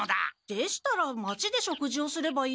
でしたら町で食事をすればいいのでは？